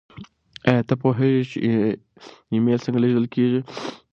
ایا ته پوهېږې چې ایمیل څنګه لیږل کیږي؟